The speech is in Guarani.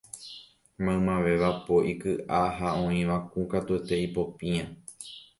Maymavéva po ikyʼa ha oĩva kũ katuete ipopĩa.